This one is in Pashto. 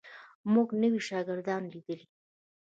موږ نوي شاګردان لیدلي.